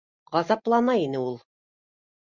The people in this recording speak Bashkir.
Ғазаплана ине ул